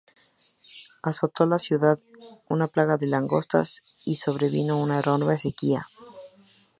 Azotó la ciudad una plaga de langostas y sobrevino una enorme sequía.